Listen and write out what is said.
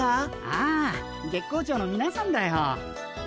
ああ月光町のみなさんだよ。